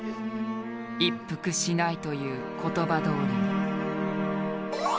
「一服しない」という言葉どおりに。